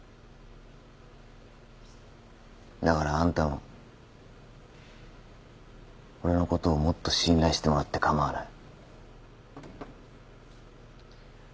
だからあんたも俺のことをもっと信頼してもらって構わない。